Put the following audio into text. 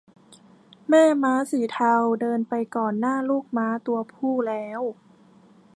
แม่ม้าสีเทาเดินไปก่อนหน้าลูกม้าตัวผู้แล้ว